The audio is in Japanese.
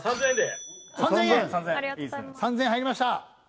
３０００円入りました。